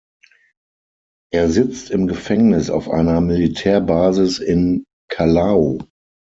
Er sitzt im Gefängnis auf einer Militärbasis in Callao.